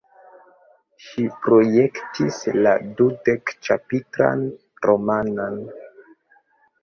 Ŝi projektis la dudek-ĉapitran romanon.